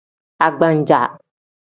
Agbaja.